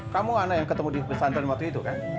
kamu anak yang ketemu di pesantren waktu itu kan